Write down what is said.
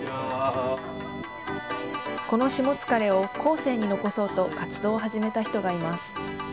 このしもつかれを後世に残そうと活動を始めた人がいます。